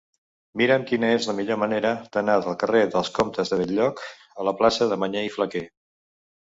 Mira'm quina és la millor manera d'anar del carrer dels Comtes de Bell-lloc a la plaça de Mañé i Flaquer.